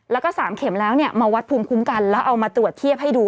แล้วก็๓เข็มแล้วเนี่ยมาวัดภูมิคุ้มกันแล้วเอามาตรวจเทียบให้ดู